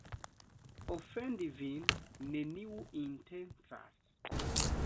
Ofendi vin neniu intencas.